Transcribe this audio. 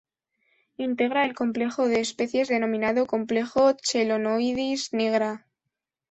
Integra el complejo de especies denominado: Complejo "Chelonoidis nigra".